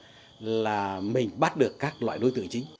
có thể là mình bắt được các loại đối tử chính